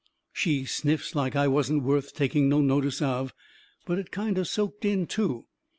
She sniffs like I wasn't worth taking no notice of. But it kind o' soaked in, too.